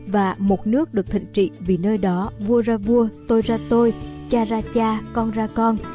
và một nước được thịnh trị vì nơi đó vua ra vua tôi ra tôi cha ra cha con ra con